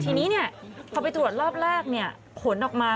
ทีนี้เนี่ยเขาไปตรวจรอบแรกผมเลยขนออกมา